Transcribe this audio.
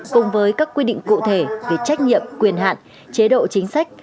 cùng với các quy định cụ thể về trách nhiệm quyền hạn chế độ chính sách